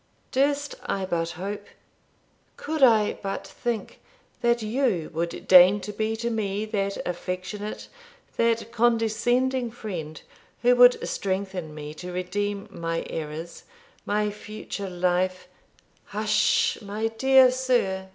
Durst I but hope could I but think that you would deign to be to me that affectionate, that condescending friend, who would strengthen me to redeem my errors, my future life ' 'Hush, my dear sir!